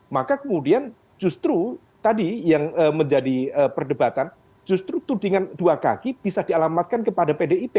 maka kemudian justru tadi yang menjadi perdebatan justru tudingan dua kaki bisa dialamatkan kepada pdip